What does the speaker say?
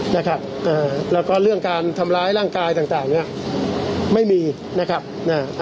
นะครับอ่าแล้วก็เรื่องการทำร้ายร่างกายต่างต่างเนี้ยไม่มีนะครับอ่า